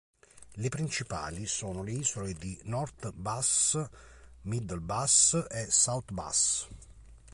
Le principali sono le isole di North Bass, Middle Bass e South Bass.